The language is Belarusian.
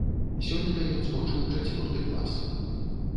Сёлета ён скончыў чацвёрты клас.